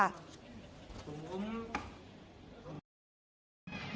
อุ้มอุ้มอุ้ม